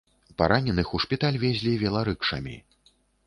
Параненых у шпіталь везлі веларыкшамі.